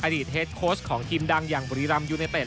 อดีตเฮดโคสต์ของทีมดังอย่างบริรัมย์ยูเนเต็ด